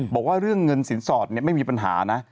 บอกว่าเรื่องเงินสินสอดไม่มีปัญหานะ